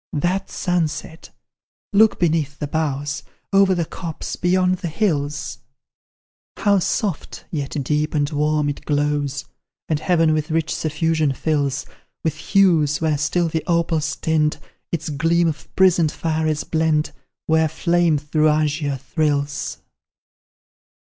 That sunset! Look beneath the boughs, Over the copse beyond the hills; How soft, yet deep and warm it glows, And heaven with rich suffusion fills; With hues where still the opal's tint, Its gleam of prisoned fire is blent, Where flame through azure thrills!